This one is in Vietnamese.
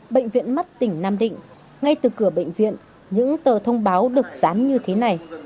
bệnh viện mắt tỉnh nam định ngay từ cửa bệnh viện những tờ thông báo được dán như thế này